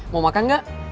mau makan gak